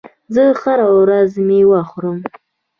زه هره ورځ میوه خورم.